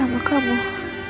jangan terkelah mas